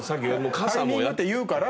「タイミング」って言うから。